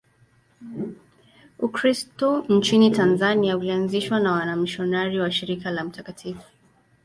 Ukristo nchini Tanzania ulianzishwa na wamisionari wa Shirika la Mt.